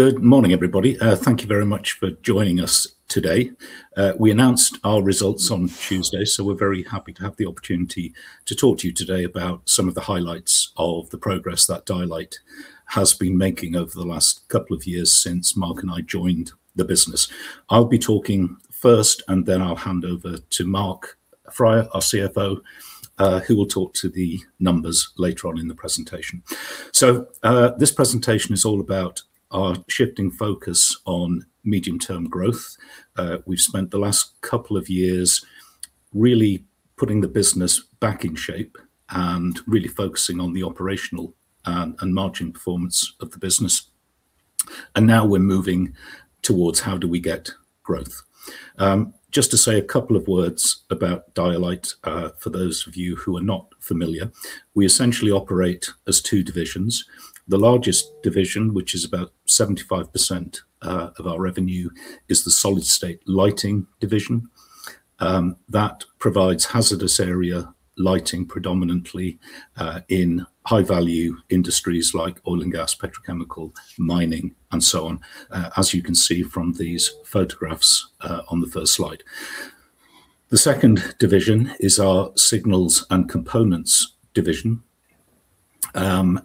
Good morning, everybody. Thank you very much for joining us today. We announced our results on Tuesday. We're very happy to have the opportunity to talk to you today about some of the highlights of the progress that Dialight has been making over the last couple of years since Mark and I joined the business. I'll be talking first, and then I'll hand over to Mark Fryer, our CFO, who will talk to the numbers later on in the presentation. This presentation is all about our shifting focus on medium-term growth. We've spent the last couple of years really putting the business back in shape and really focusing on the operational and margin performance of the business. Now we're moving towards how do we get growth. Just to say a couple of words about Dialight for those of you who are not familiar, we essentially operate as two divisions. The largest division, which is about 75% of our revenue, is the solid-state lighting division. That provides hazardous area lighting, predominantly in high-value industries like oil and gas, petrochemical, mining, and so on, as you can see from these photographs on the first slide. The second division is our Signals & Components division, and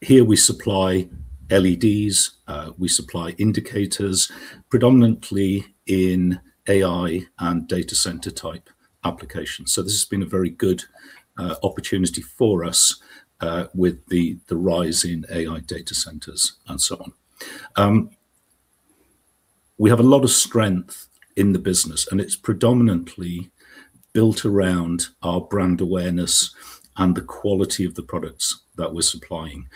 here we supply LEDs, we supply indicators predominantly in AI and data center-type applications. This has been a very good opportunity for us with the rise in AI data centers and so on. We have a lot of strength in the business, and it's predominantly built around our brand awareness and the quality of the products that we're supplying.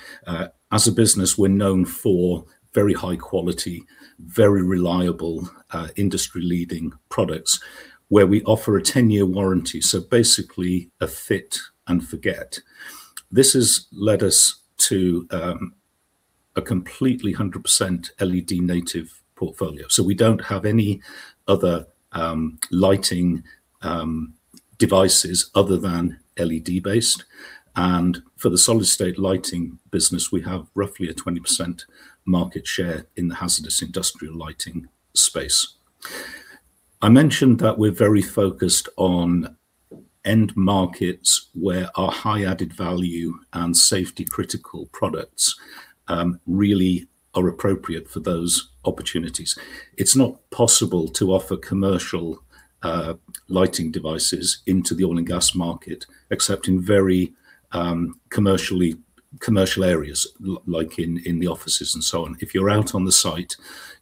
As a business, we're known for very high quality, very reliable, industry-leading products where we offer a 10-year warranty. Basically a fit and forget. This has led us to a completely 100% LED native portfolio. We don't have any other lighting devices other than LED-based. For the solid-state lighting business, we have roughly a 20% market share in the hazardous industrial lighting space. I mentioned that we're very focused on end markets where our high added value and safety-critical products really are appropriate for those opportunities. It's not possible to offer commercial lighting devices into the oil and gas market except in very commercial areas like in the offices and so on. If you're out on the site,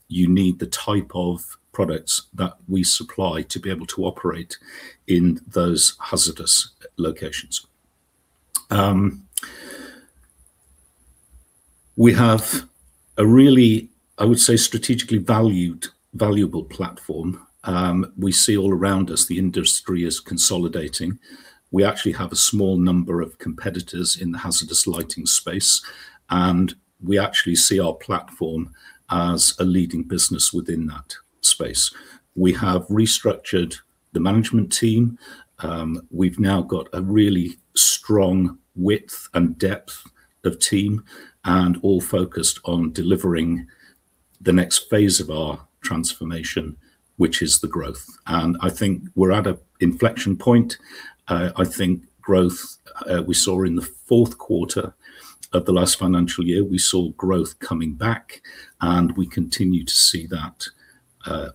you need the type of products that we supply to be able to operate in those hazardous locations. We have a really, I would say, strategically valued, valuable platform. We see all around us the industry is consolidating. We actually have a small number of competitors in the hazardous lighting space, and we actually see our platform as a leading business within that space. We have restructured the management team. We've now got a really strong width and depth of team, and all focused on delivering the next phase of our transformation, which is the growth. I think we're at an inflection point. I think growth we saw in the fourth quarter of the last financial year, we saw growth coming back, and we continue to see that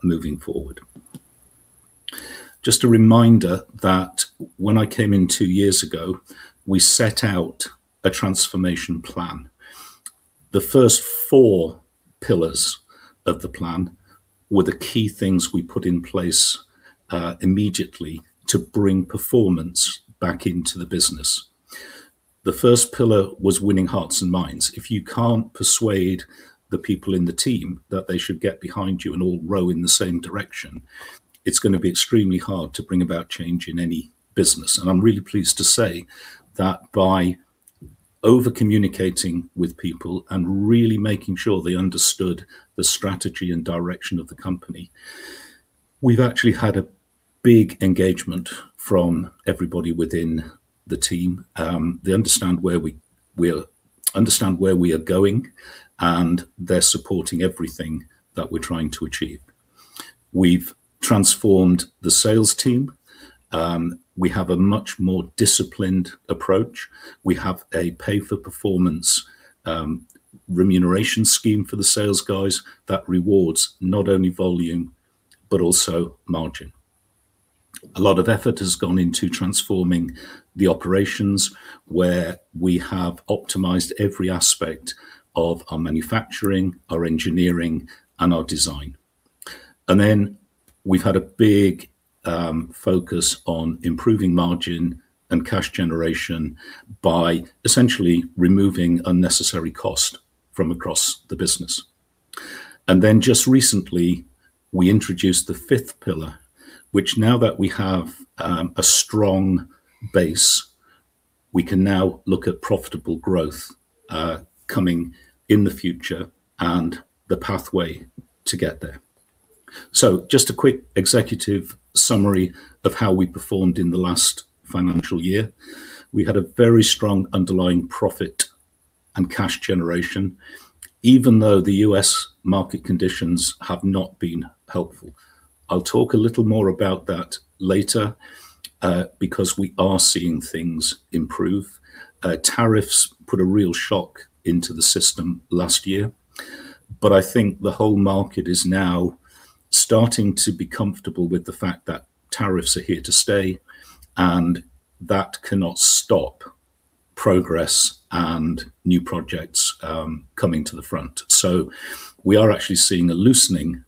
moving forward. Just a reminder that when I came in two years ago, we set out a transformation plan. The first four pillars of the plan were the key things we put in place immediately to bring performance back into the business. The first pillar was winning hearts and minds. If you can't persuade the people in the team that they should get behind you and all row in the same direction, it's going to be extremely hard to bring about change in any business. I'm really pleased to say that by over-communicating with people and really making sure they understood the strategy and direction of the company, we've actually had a big engagement from everybody within the team. They understand where we are going, and they're supporting everything that we're trying to achieve. We've transformed the sales team. We have a much more disciplined approach. We have a pay-for-performance remuneration scheme for the sales guys that rewards not only volume, but also margin. A lot of effort has gone into transforming the operations where we have optimized every aspect of our manufacturing, our engineering, and our design. We've had a big focus on improving margin and cash generation by essentially removing unnecessary cost from across the business. Just recently, we introduced the fifth pillar, which now that we have a strong base, we can now look at profitable growth coming in the future and the pathway to get there. Just a quick executive summary of how we performed in the last financial year. We had a very strong underlying profit and cash generation, even though the U.S. market conditions have not been helpful. I'll talk a little more about that later, because we are seeing things improve. Tariffs put a real shock into the system last year, but I think the whole market is now starting to be comfortable with the fact that tariffs are here to stay, and that cannot stop progress and new projects coming to the front. We are actually seeing a loosening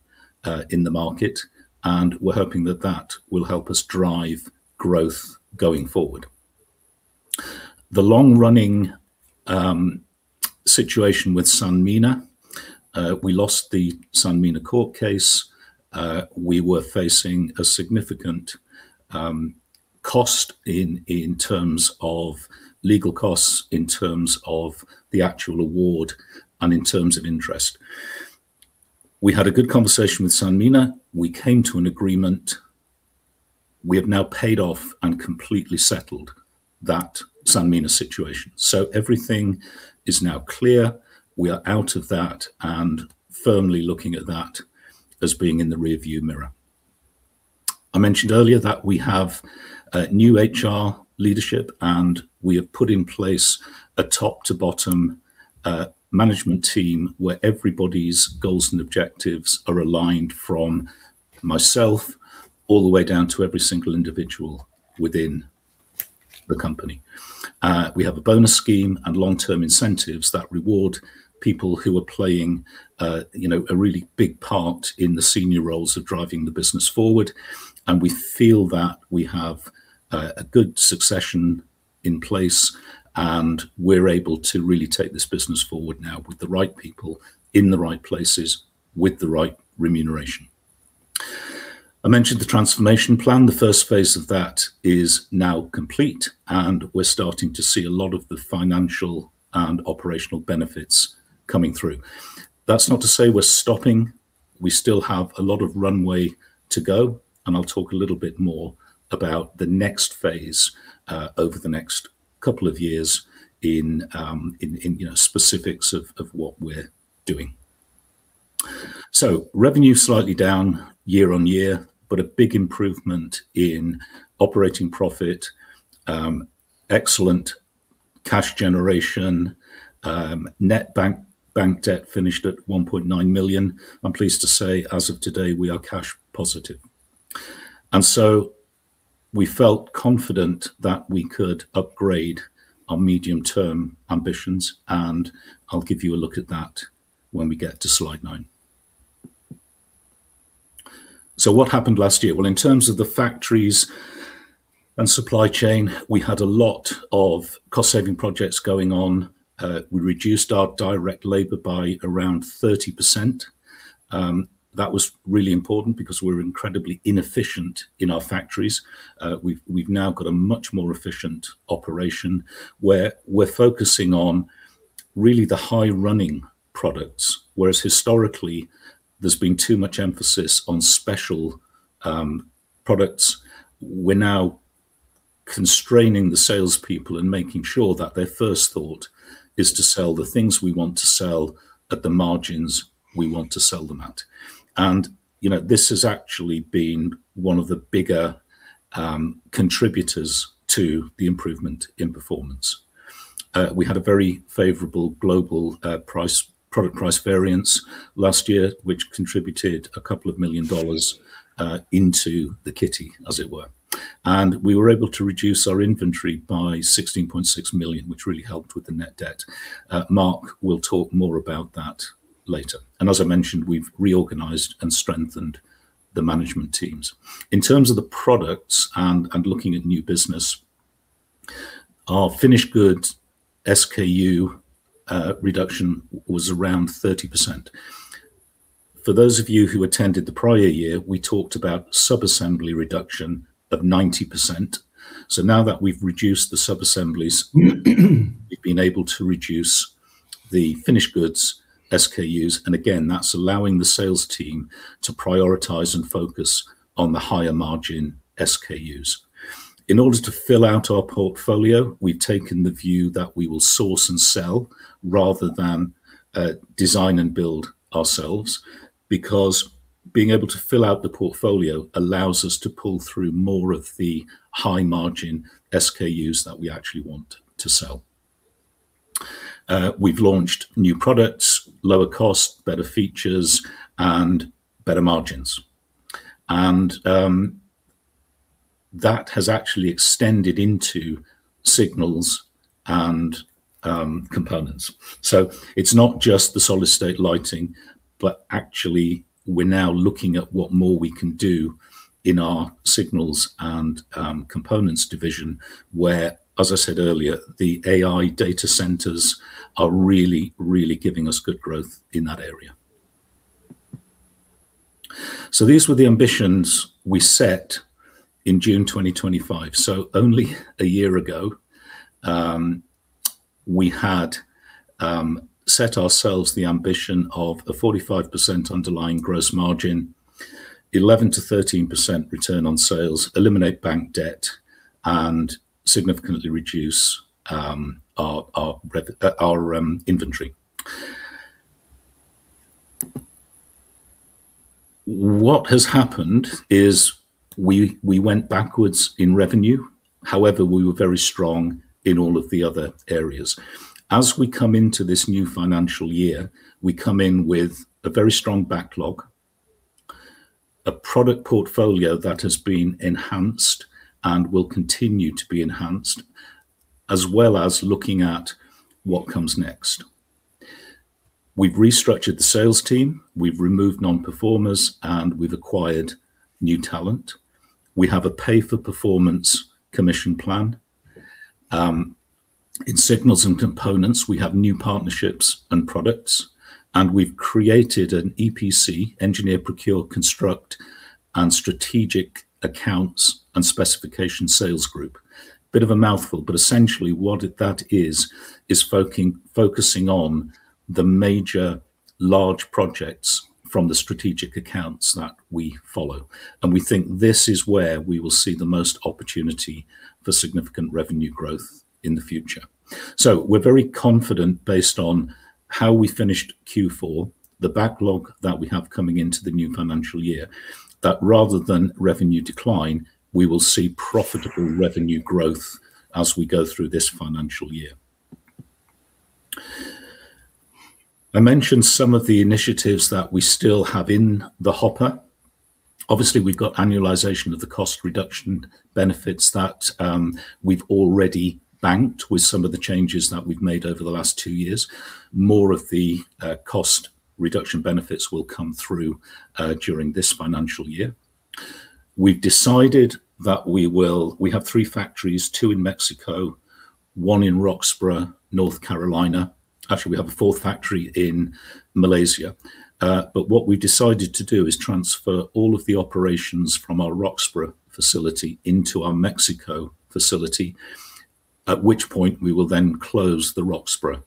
in the market, and we're hoping that that will help us drive growth going forward. The long-running situation with Sanmina, we lost the Sanmina court case. We were facing a significant cost in terms of legal costs, in terms of the actual award, and in terms of interest. We had a good conversation with Sanmina. We came to an agreement. We have now paid off and completely settled that Sanmina situation. Everything is now clear. We are out of that and firmly looking at that as being in the rear view mirror. I mentioned earlier that we have new HR leadership, and we have put in place a top to bottom management team where everybody's goals and objectives are aligned from myself all the way down to every single individual within the company. We have a bonus scheme and long-term incentives that reward people who are playing a really big part in the senior roles of driving the business forward. We feel that we have a good succession in place, and we're able to really take this business forward now with the right people in the right places with the right remuneration. I mentioned the transformation plan. The first phase of that is now complete, and we're starting to see a lot of the financial and operational benefits coming through. That's not to say we're stopping. We still have a lot of runway to go, and I'll talk a little bit more about the next phase over the next couple of years in specifics of what we're doing. Revenue slightly down year on year, but a big improvement in operating profit. Excellent cash generation. Net bank debt finished at 1.9 million. I'm pleased to say, as of today, we are cash positive. We felt confident that we could upgrade our medium-term ambitions, and I'll give you a look at that when we get to slide nine. What happened last year? In terms of the factories and supply chain, we had a lot of cost-saving projects going on. We reduced our direct labor by around 30%. That was really important because we were incredibly inefficient in our factories. We've now got a much more efficient operation where we're focusing on really the high-running products. Whereas historically, there's been too much emphasis on special products. We're now constraining the salespeople and making sure that their first thought is to sell the things we want to sell at the margins we want to sell them at. This has actually been one of the bigger contributors to the improvement in performance. We had a very favorable global product price variance last year, which contributed a couple of million dollars into the kitty, as it were. We were able to reduce our inventory by $16.6 million, which really helped with the net debt. Mark will talk more about that later. As I mentioned, we've reorganized and strengthened the management teams. In terms of the products and looking at new business, our finished goods SKU reduction was around 30%. For those of you who attended the prior year, we talked about sub-assembly reduction of 90%. Now that we've reduced the sub-assemblies, we've been able to reduce the finished goods SKUs, and again, that's allowing the sales team to prioritize and focus on the higher margin SKUs. In order to fill out our portfolio, we've taken the view that we will source and sell rather than design and build ourselves, because being able to fill out the portfolio allows us to pull through more of the high-margin SKUs that we actually want to sell. We've launched new products, lower cost, better features, and better margins. That has actually extended into Signals & Components. It's not just the solid-state lighting, but actually we're now looking at what more we can do in our Signals & Components division, where, as I said earlier, the AI data centers are really, really giving us good growth in that area. These were the ambitions we set in June 2025, only a year ago. We had set ourselves the ambition of a 45% underlying gross margin, 11%-13% return on sales, eliminate bank debt, and significantly reduce our inventory. What has happened is we went backwards in revenue. However, we were very strong in all of the other areas. As we come into this new financial year, we come in with a very strong backlog, a product portfolio that has been enhanced and will continue to be enhanced, as well as looking at what comes next. We've restructured the sales team, we've removed non-performers, and we've acquired new talent. We have a pay-for-performance commission plan. In Signals & Components, we have new partnerships and products, and we've created an EPC, engineer procure construct, and strategic accounts and specification sales group. Bit of a mouthful, but essentially what that is focusing on the major large projects from the strategic accounts that we follow. We think this is where we will see the most opportunity for significant revenue growth in the future. We're very confident based on how we finished Q4, the backlog that we have coming into the new financial year, that rather than revenue decline, we will see profitable revenue growth as we go through this financial year. I mentioned some of the initiatives that we still have in the hopper. Obviously, we've got annualization of the cost reduction benefits that we've already banked with some of the changes that we've made over the last two years. More of the cost reduction benefits will come through during this financial year. We have three factories, two in Mexico, one in Roxboro, North Carolina. Actually, we have a fourth factory in Malaysia. What we decided to do is transfer all of the operations from our Roxboro facility into our Mexico facility, at which point we will then close the Roxboro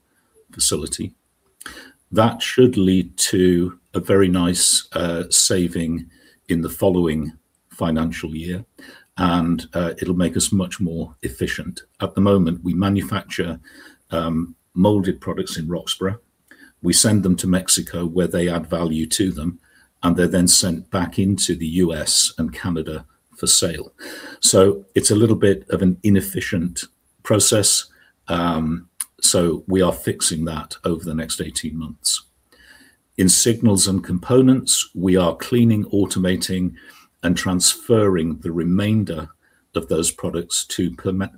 facility. That should lead to a very nice saving in the following financial year, and it'll make us much more efficient. At the moment, we manufacture molded products in Roxboro. We send them to Mexico where they add value to them, and they're then sent back into the U.S. and Canada for sale. It's a little bit of an inefficient process. We are fixing that over the next 18 months. In Signals & Components, we are cleaning, automating, and transferring the remainder of those products to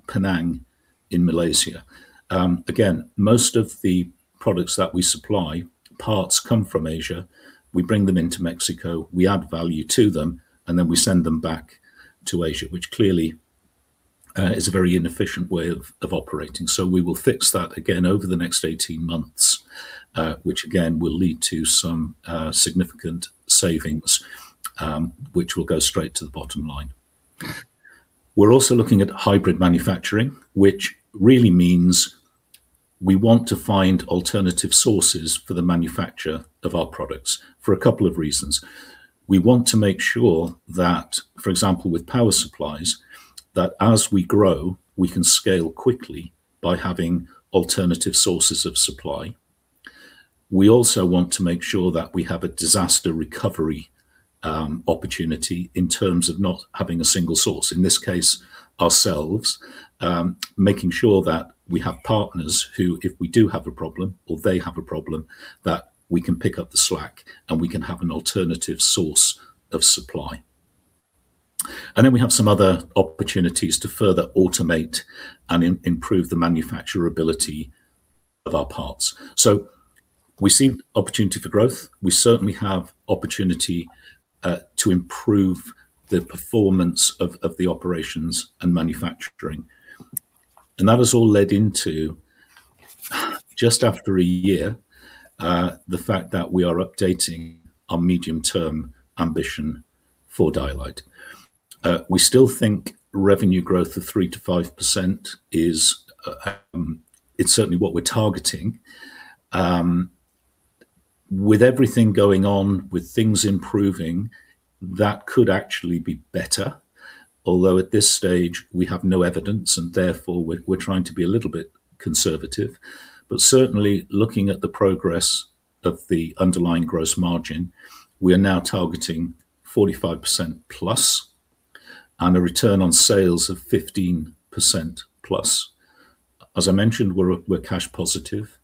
Penang in Malaysia. Again, most of the products that we supply, parts come from Asia. We bring them into Mexico, we add value to them, and then we send them back to Asia, which clearly is a very inefficient way of operating. We will fix that again over the next 18 months, which again, will lead to some significant savings, which will go straight to the bottom line. We're also looking at hybrid manufacturing, which really means we want to find alternative sources for the manufacture of our products for a couple of reasons. We want to make sure that, for example, with power supplies, that as we grow, we can scale quickly by having alternative sources of supply. We also want to make sure that we have a disaster recovery opportunity in terms of not having a single source, in this case ourselves, making sure that we have partners who, if we do have a problem or they have a problem, that we can pick up the slack and we can have an alternative source of supply. We have some other opportunities to further automate and improve the manufacturability of our parts. We see opportunity for growth. We certainly have opportunity to improve the performance of the operations and manufacturing. That has all led into, just after a year, the fact that we are updating our medium-term ambition for Dialight. We still think revenue growth of 3%-5% is. It's certainly what we're targeting. With everything going on, with things improving, that could actually be better. At this stage, we have no evidence, and therefore we are trying to be a little bit conservative. Certainly looking at the progress of the underlying gross margin, we are now targeting 45%+ and a return on sales of 15%+. As I mentioned, we are cash positive,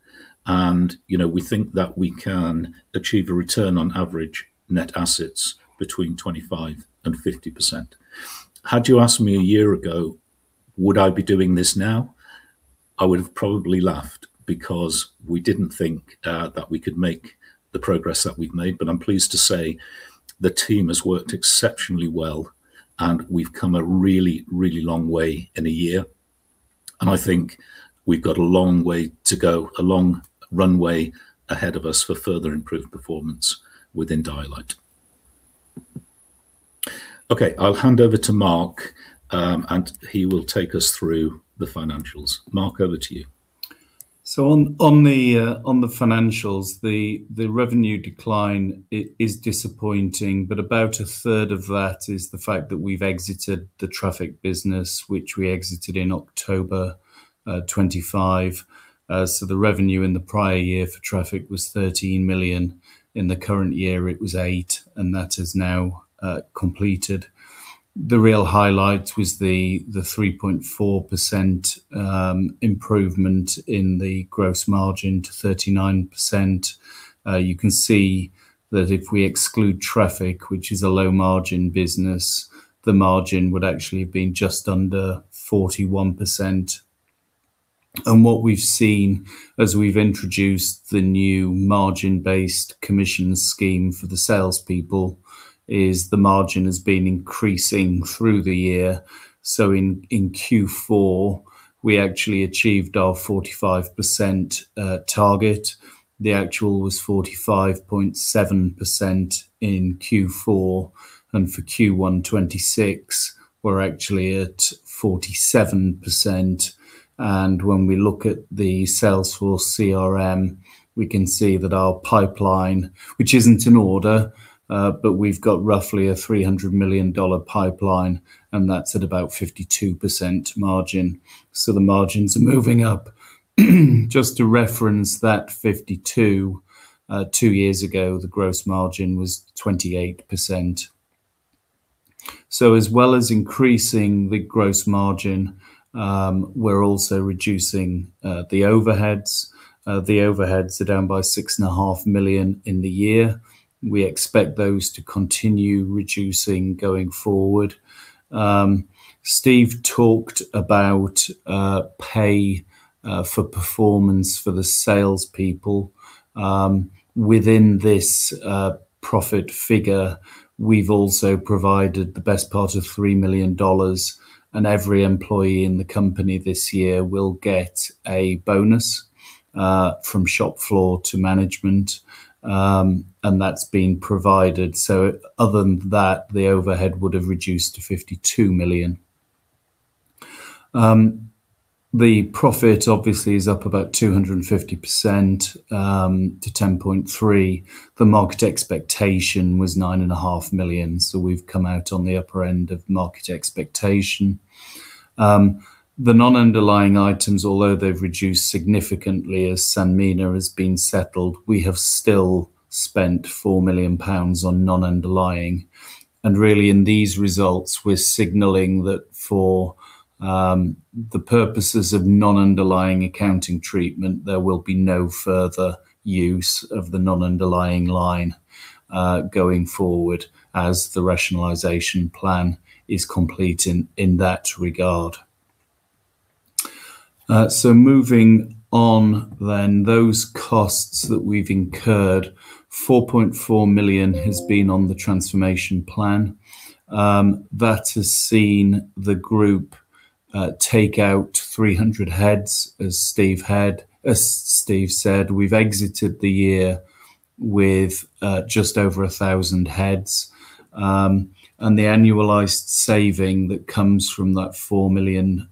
and we think that we can achieve a return on average net assets between 25%-50%. Had you asked me a year ago would I be doing this now, I would have probably laughed because we did not think that we could make the progress that we have made. I am pleased to say the team has worked exceptionally well, and we have come a really, really long way in a year, and I think we have got a long way to go, a long runway ahead of us for further improved performance within Dialight. Okay, I will hand over to Mark and he will take us through the financials. Mark, over to you. On the financials, the revenue decline is disappointing, about a 1/3 of that is the fact that we have exited the traffic business, which we exited in October 2025. The revenue in the prior year for traffic was $13 million. In the current year it was $8 million, and that is now completed. The real highlight was the 3.4% improvement in the gross margin to 39%. You can see that if we exclude traffic, which is a low margin business, the margin would actually have been just under 41%. What we have seen as we have introduced the new margin-based commission scheme for the salespeople is the margin has been increasing through the year. In Q4, we actually achieved our 45% target. The actual was 45.7% in Q4, and for Q1 2026, we are actually at 47%. When we look at the Salesforce CRM, we can see that our pipeline, which is not an order, we have got roughly a $300 million pipeline, and that is at about 52% margin. The margins are moving up. Just to reference that 52%, two years ago, the gross margin was 28%. As well as increasing the gross margin, we are also reducing the overheads. The overheads are down by $6.5 million in the year. We expect those to continue reducing going forward. Steve talked about pay for performance for the salespeople. Within this profit figure, we have also provided the best part of $3 million, and every employee in the company this year will get a bonus from shop floor to management, and that has been provided. Other than that, the overhead would have reduced to $52 million. The profit obviously is up about 250% to $10.3 million. The market expectation was 9.5 million. We've come out on the upper end of market expectation. The non-underlying items, although they've reduced significantly as Sanmina has been settled, we have still spent 4 million pounds on non-underlying. Really, in these results, we're signaling that for the purposes of non-underlying accounting treatment, there will be no further use of the non-underlying line going forward as the rationalization plan is complete in that regard. Moving on then, those costs that we've incurred, $4.4 million has been on the transformation plan. That has seen the group take out 300 heads. As Steve said, we've exited the year with just over 1,000 heads, and the annualized saving that comes from that $4 million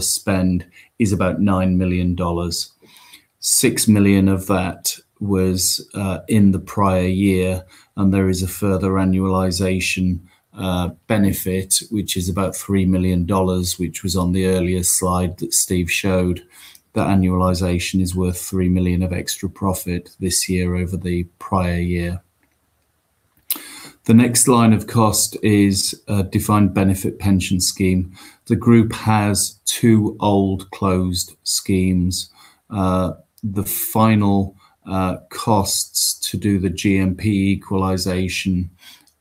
spend is about $9 million. $6 million of that was in the prior year. There is a further annualization benefit, which is about $3 million, which was on the earlier slide that Steve showed. That annualization is worth $3 million of extra profit this year over the prior year. The next line of cost is a defined benefit pension scheme. The group has two old closed schemes. The final costs to do the GMP equalization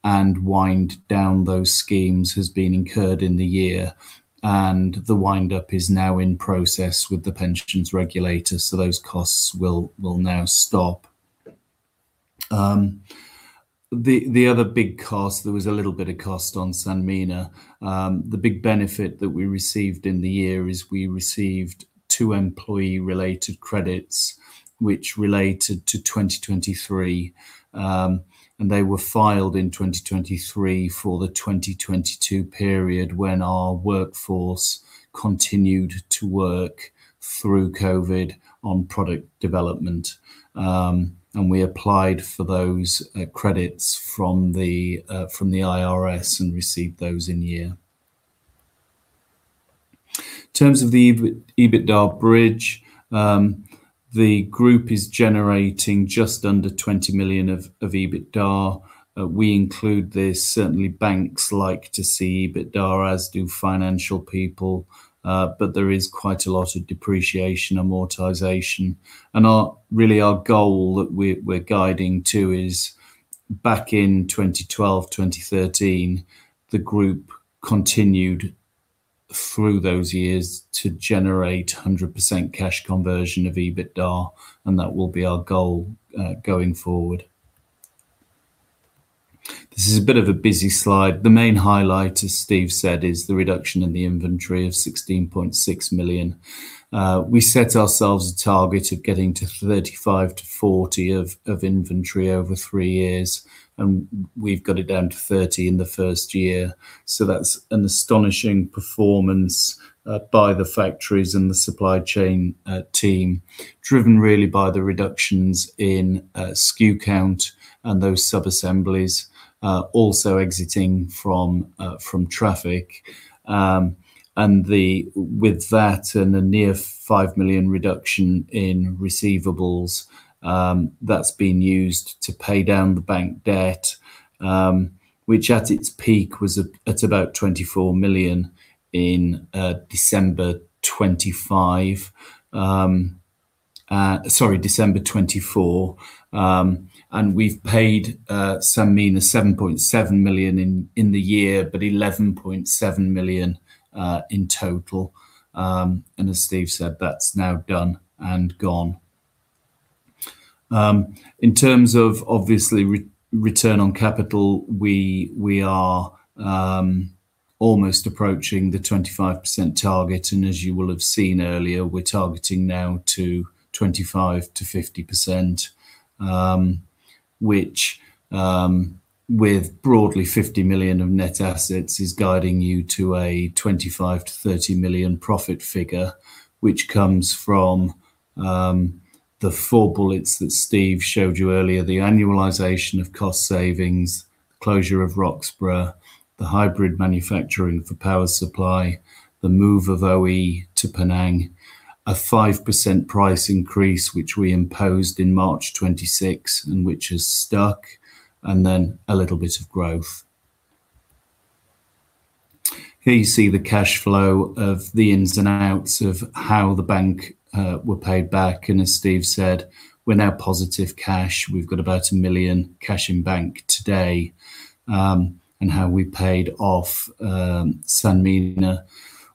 and wind down those schemes has been incurred in the year, and the wind up is now in process with the pensions regulator. Those costs will now stop. The other big cost, there was a little bit of cost on Sanmina. The big benefit that we received in the year is we received two employee related credits which related to 2023. They were filed in 2023 for the 2022 period when our workforce continued to work through COVID on product development. We applied for those credits from the IRS and received those in year. In terms of the EBITDA bridge, the group is generating just under $20 million of EBITDA. We include this, certainly banks like to see EBITDA, as do financial people. There is quite a lot of depreciation, amortization. Really our goal that we're guiding to is back in 2012, 2013, the group continued through those years to generate 100% cash conversion of EBITDA, and that will be our goal going forward. This is a bit of a busy slide. The main highlight, as Steve said, is the reduction in the inventory of $16.6 million. We set ourselves a target of getting to 35-40 of inventory over three years, and we've got it down to 30 in the first year. That's an astonishing performance by the factories and the supply chain team, driven really by the reductions in SKU count and those sub-assemblies also exiting from traffic. With that and a near $5 million reduction in receivables, that's been used to pay down the bank debt, which at its peak was at about $24 million in December 2025. Sorry, December 2024. We've paid Sanmina $7.7 million in the year, but $11.7 million in total. As Steve said, that's now done and gone. In terms of, obviously, return on capital, we are almost approaching the 25% target. As you will have seen earlier, we're targeting now to 25%-50%, which, with broadly 50 million of net assets, is guiding you to a 25 million-30 million profit figure, which comes from the four bullets that Steve showed you earlier. The annualization of cost savings, closure of Roxboro, the hybrid manufacturing for power supply, the move of S&C to Penang, a 5% price increase, which we imposed in March 2026, and which has stuck. Then a little bit of growth. Here you see the cash flow of the ins and outs of how the bank were paid back. As Steve said, we're now positive cash. We've got about 1 million cash in bank today, and how we paid off Sanmina.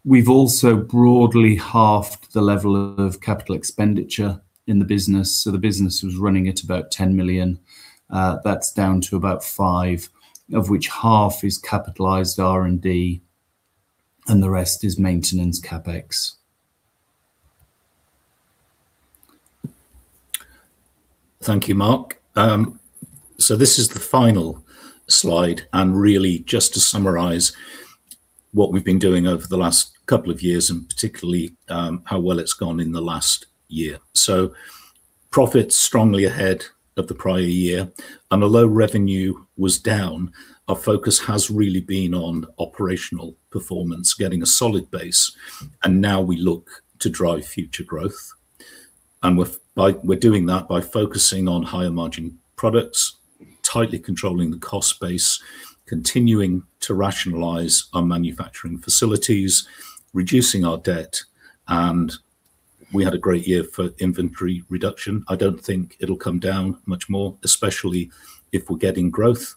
We've also broadly halved the level of capital expenditure in the business. The business was running at about 10 million. That's down to about 5 million, of which half is capitalized R&D, and the rest is maintenance CapEx. Thank you, Mark. This is the final slide, really just to summarize what we've been doing over the last couple of years, particularly how well it's gone in the last year. Profits strongly ahead of the prior year. Although revenue was down, our focus has really been on operational performance, getting a solid base, now we look to drive future growth. We're doing that by focusing on higher margin products, tightly controlling the cost base, continuing to rationalize our manufacturing facilities, reducing our debt, we had a great year for inventory reduction. I don't think it'll come down much more, especially if we're getting growth.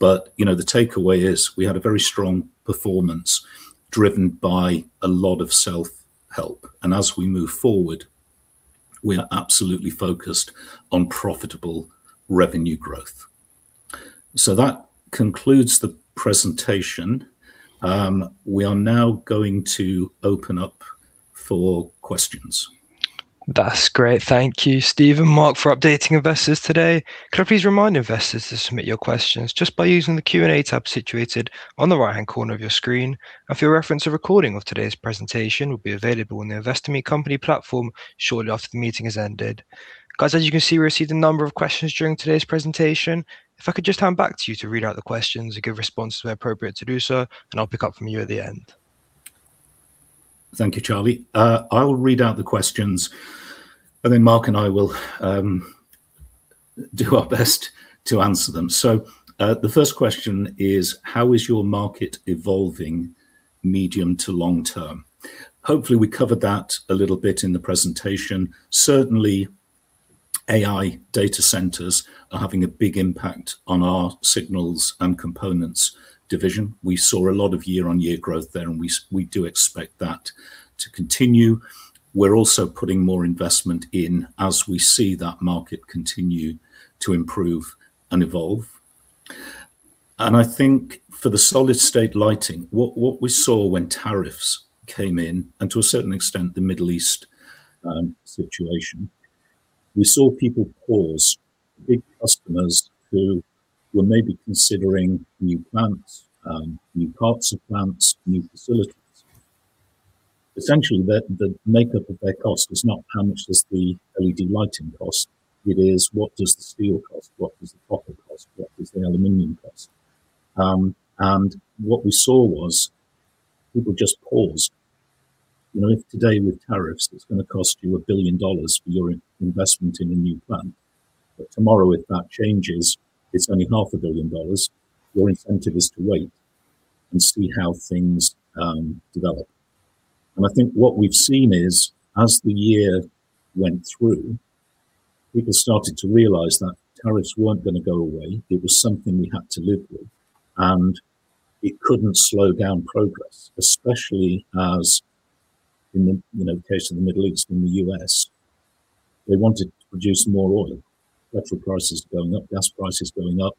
The takeaway is we had a very strong performance driven by a lot of self-help, as we move forward, we are absolutely focused on profitable revenue growth. That concludes the presentation. We are now going to open up for questions. That's great. Thank you, Steve and Mark, for updating investors today. Could I please remind investors to submit your questions just by using the Q&A tab situated on the right-hand corner of your screen. For your reference, a recording of today's presentation will be available on the InvestorMeetCompany company platform shortly after the meeting has ended. Guys, as you can see, we received a number of questions during today's presentation. If I could just hand back to you to read out the questions and give responses where appropriate to do so, and I'll pick up from you at the end. Thank you, Charlie. I will read out the questions, and then Mark and I will do our best to answer them. The first question is, "How is your market evolving medium to long term?" Hopefully, we covered that a little bit in the presentation. Certainly, AI data centers are having a big impact on our Signals & Components division. We saw a lot of year-on-year growth there, and we do expect that to continue. We are also putting more investment in as we see that market continue to improve and evolve. I think for the solid-state lighting, what we saw when tariffs came in, and to a certain extent, the Middle East situation, we saw people pause, big customers who were maybe considering new plants, new parts of plants, new facilities. Essentially, the makeup of their cost is not how much does the LED lighting cost, it is what does the steel cost, what does the copper cost, what does the aluminum cost? What we saw was people just paused. If today with tariffs, it is going to cost you $1 billion for your investment in a new plant, but tomorrow if that changes, it is only half a billion dollars, your incentive is to wait and see how things develop. I think what we have seen is as the year went through, people started to realize that tariffs weren't going to go away. It was something we had to live with, and it couldn't slow down progress, especially as in the case of the Middle East and the U.S. They wanted to produce more oil. Petrol prices going up, gas prices going up.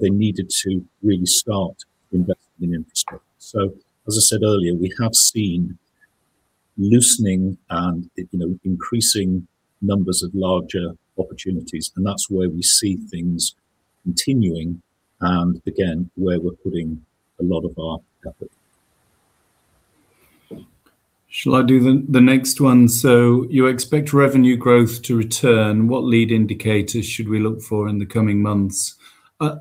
They needed to really start investing in infrastructure. As I said earlier, we have seen loosening and increasing numbers of larger opportunities, and that's where we see things continuing, and again, where we are putting a lot of our capital. Shall I do the next one? You expect revenue growth to return, what lead indicators should we look for in the coming months?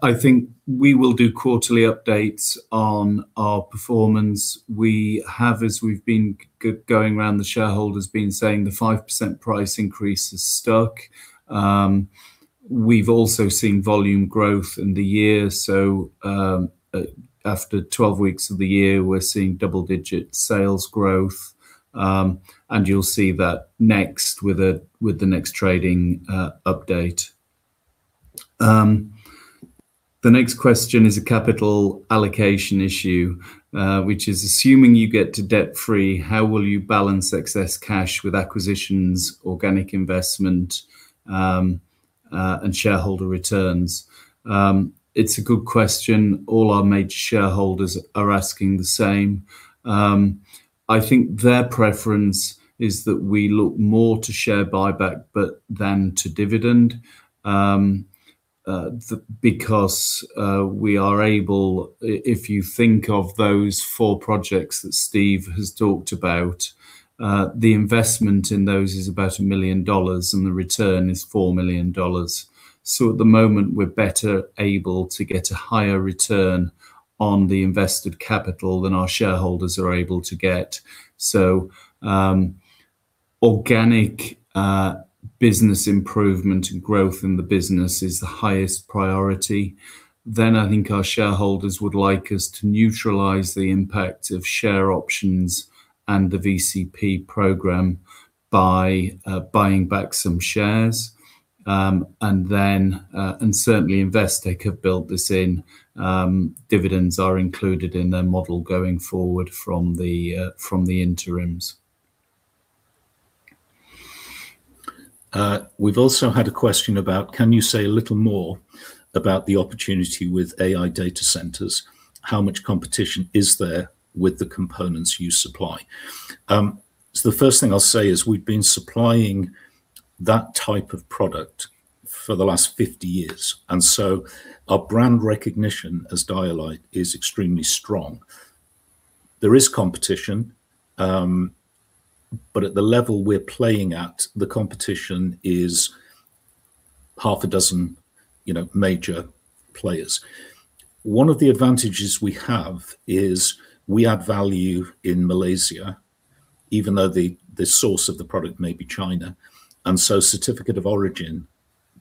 I think we will do quarterly updates on our performance. We have, as we've been going round the shareholders, been saying the 5% price increase has stuck. We've also seen volume growth in the year. After 12 weeks of the year, we're seeing double-digit sales growth, and you'll see that next with the next trading update. The next question is a capital allocation issue, which is, assuming you get to debt-free, how will you balance excess cash with acquisitions, organic investment, and shareholder returns? It's a good question. All our major shareholders are asking the same. I think their preference is that we look more to share buyback, to dividend, because we are able, if you think of those four projects that Steve has talked about, the investment in those is about $1 million, and the return is $4 million. At the moment, we're better able to get a higher return on the invested capital than our shareholders are able to get. Organic business improvement and growth in the business is the highest priority. I think our shareholders would like us to neutralize the impact of share options and the VCP program by buying back some shares. Certainly Investec have built this in. Dividends are included in their model going forward from the interims. We've also had a question about, can you say a little more about the opportunity with AI data centers? How much competition is there with the components you supply? The first thing I'll say is we've been supplying that type of product for the last 50 years, our brand recognition as Dialight is extremely strong. There is competition, but at the level we're playing at, the competition is half a dozen major players. One of the advantages we have is we add value in Malaysia, even though the source of the product may be China, certificate of origin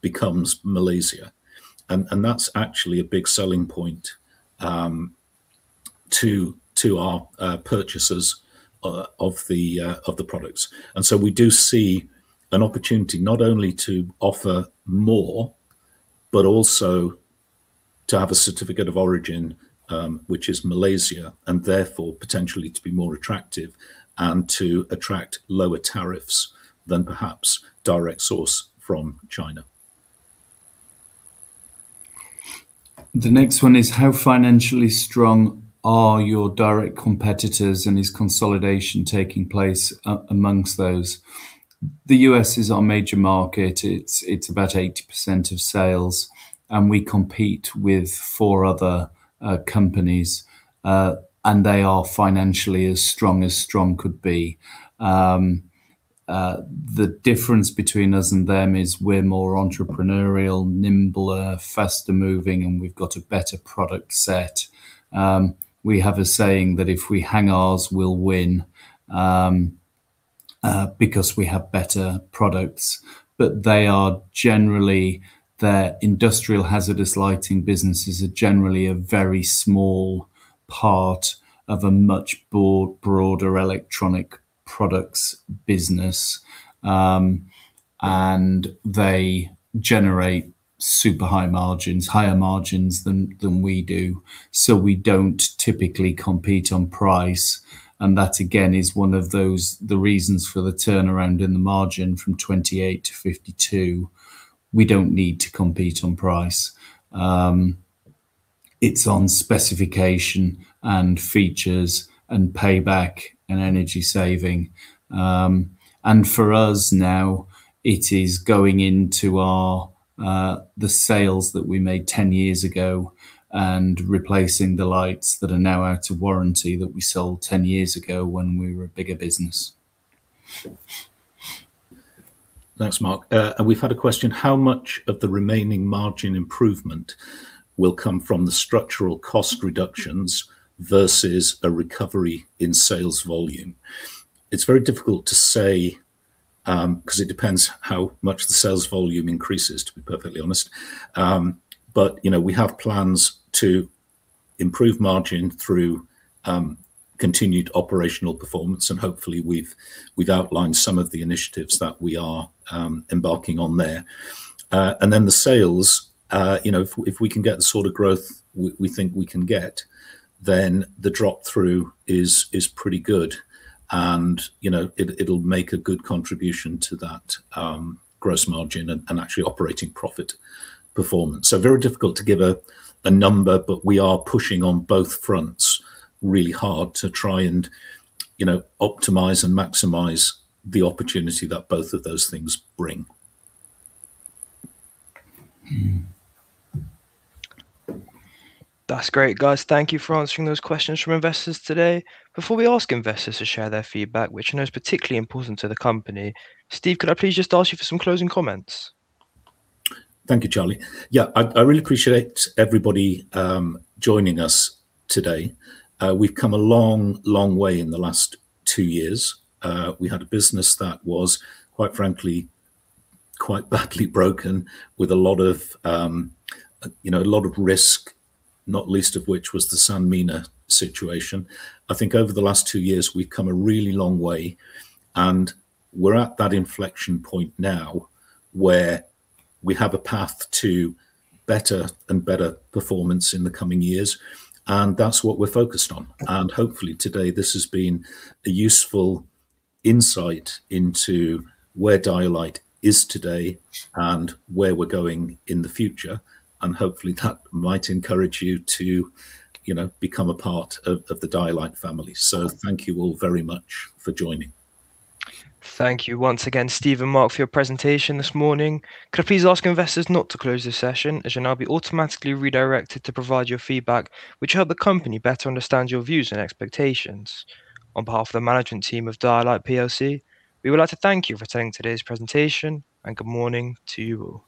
becomes Malaysia. That's actually a big selling point to our purchasers of the products. We do see an opportunity not only to offer more, but also to have a certificate of origin which is Malaysia, and therefore potentially to be more attractive and to attract lower tariffs than perhaps direct source from China. The next one is, how financially strong are your direct competitors? Is consolidation taking place amongst those? The U.S. is our major market. It's about 80% of sales. We compete with four other companies, and they are financially as strong as strong could be. The difference between us and them is we're more entrepreneurial, nimbler, faster-moving, and we've got a better product set. We have a saying that if we hang ours, we'll win, because we have better products. Their industrial hazardous lighting businesses are generally a very small part of a much broader electronic products business. They generate super high margins, higher margins than we do. We don't typically compete on price, and that again, is one of the reasons for the turnaround in the margin from 28%-52%. We don't need to compete on price. It's on specification and features and payback and energy saving. For us now, it is going into the sales that we made 10 years ago and replacing the lights that are now out of warranty that we sold 10 years ago when we were a bigger business. Thanks, Mark. We've had a question, how much of the remaining margin improvement will come from the structural cost reductions versus a recovery in sales volume? It's very difficult to say, because it depends how much the sales volume increases, to be perfectly honest. We have plans to improve margin through continued operational performance, and hopefully we've outlined some of the initiatives that we are embarking on there. Then the sales, if we can get the sort of growth we think we can get, then the drop-through is pretty good and it'll make a good contribution to that gross margin and actually operating profit performance. Very difficult to give a number, but we are pushing on both fronts really hard to try and optimize and maximize the opportunity that both of those things bring. That's great, guys. Thank you for answering those questions from investors today. Before we ask investors to share their feedback, which I know is particularly important to the company, Steve, could I please just ask you for some closing comments? Thank you, Charlie. Yeah, I really appreciate everybody joining us today. We've come a long, long way in the last two years. We had a business that was, quite frankly, quite badly broken with a lot of risk, not least of which was the Sanmina situation. I think over the last two years, we've come a really long way, and we're at that inflection point now where we have a path to better and better performance in the coming years, that's what we're focused on. Hopefully today this has been a useful insight into where Dialight is today and where we're going in the future, hopefully that might encourage you to become a part of the Dialight family. Thank you all very much for joining. Thank you once again, Steve and Mark, for your presentation this morning. Could I please ask investors not to close this session, as you'll now be automatically redirected to provide your feedback, which help the company better understand your views and expectations. On behalf of the management team of Dialight PLC, we would like to thank you for attending today's presentation, good morning to you all.